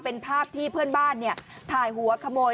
เป็นภาพที่เพื่อนบ้านถ่ายหัวขโมย